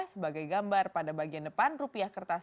sebagai gambar pada bagian depan rupiah kertas